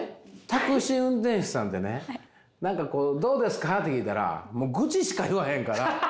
タクシー運転手さんってね何かこうどうですか？って聞いたらもう愚痴しか言わへんから。